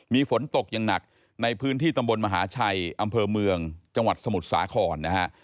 มีฝนตกอย่างหนักในพื้นที่ตำบลมหาชัยอำเภอเมืองจังหวัดสมุทรสาครนะฮะ